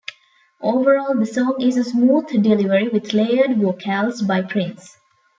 Overall, the song is a smooth delivery with layered vocals by Prince.